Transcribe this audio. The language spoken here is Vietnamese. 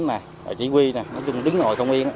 rồi chỉ huy nói chung đứng ngồi không yên